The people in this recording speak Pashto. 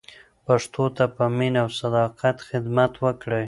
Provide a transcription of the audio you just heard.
پښتو ته په مینه او صداقت خدمت وکړئ.